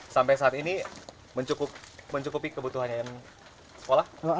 sampai saat ini mencukupi kebutuhan yang sekolah